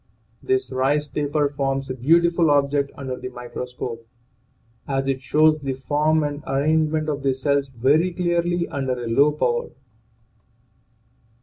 This "rice paper" forms a beautiful object under the microscope, as it shows the form and arrangement of the cells very clearly under a low power.